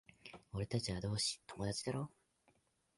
俺たちは同志、友達だろ？